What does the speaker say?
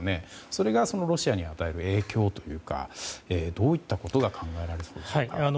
それがロシアに与える影響というかどういったことが考えられるんでしょうか。